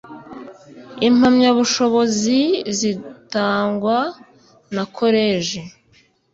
impamyabushobozi zitangwa na Koleji